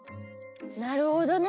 なるほどね。